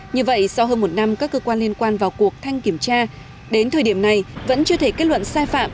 như vậy sau hơn một năm các cơ quan liên quan vào cuộc thanh kiểm tra đến thời điểm này vẫn chưa thể kết luận sai phạm